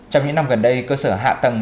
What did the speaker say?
trong những năm gần đây cơ sở hạ tầng